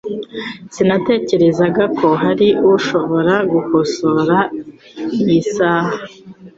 Sinatekerezaga ko hari ushobora gukosora iyi saha.